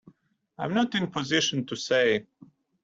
I'm not in a position to say.